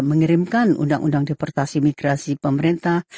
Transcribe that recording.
mengirimkan undang undang deportasi migrasi pemerintah